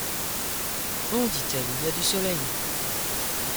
Bon, dit-elle, il y a du soleil !